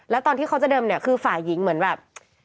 แล้วตอนที่เขาจะเดิมเนี่ยคือฝ่ายหญิงเหมือนแบบ